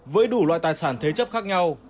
với đủ loại tài sản thế chấp khác nhau